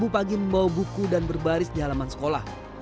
pagi membawa buku dan berbaris di halaman sekolah